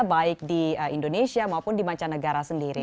baik di indonesia maupun di mancanegara sendiri